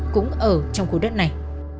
cũng ở trong khu đất này